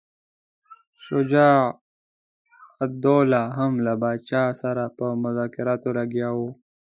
شجاع الدوله هم له پاچا سره په مذاکراتو لګیا وو.